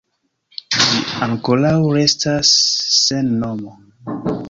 Ĝi ankoraŭ restas sen nomo.